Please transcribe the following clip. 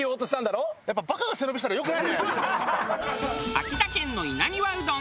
秋田県の稲庭うどん